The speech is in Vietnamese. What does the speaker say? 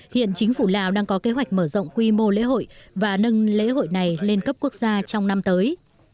hiện chính phủ lào đang có kế hoạch mở rộng quy mô lễ hội và nâng lễ hội này lên cấp quốc gia trong năm tới